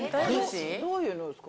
どういうのですか？